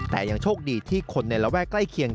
แต่ยังโชคดีที่คนในระแวกใกล้เคียง